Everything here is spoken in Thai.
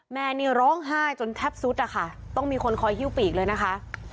แม่นี่ร้องไห้จนแทบสุดนะคะต้องมีคนคอยหิ้วปีกเลยนะคะ